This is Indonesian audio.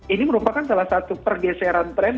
ini merupakan salah satu pergeseran tren